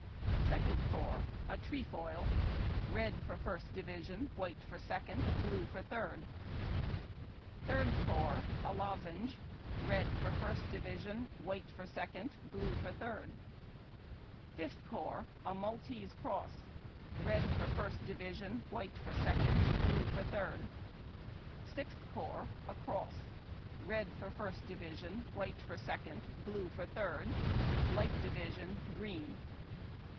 Second Corps — a trefoil: red for First Division; white for Second; blue for Third. Third Corps — a lozenge: red for First Division; white for Second; blue for Third. Fifth Corps — a IMaltese cross : red for First Division; white for Second; blue for Third. Sixth Corps — a cross: red for First Division; white for Second; blue for Third. (Light Division, green.)